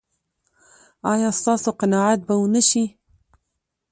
ایا ستاسو قناعت به و نه شي؟